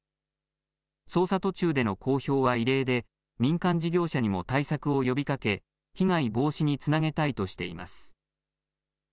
捜査途中での公表は異例で民間事業者にも対策を呼びかけ被害防止につなげたいとしています。